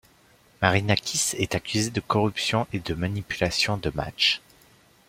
Marinákis est accusé de corruption et de manipulation de matches.